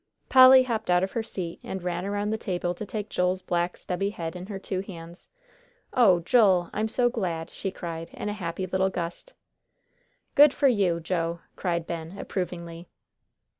Polly hopped out of her seat, and ran around the table to take Joel's black stubby head in her two hands. "Oh, Joel! I'm so glad!" she cried, in a happy little gust. "Good for you, Joe!" cried Ben, approvingly.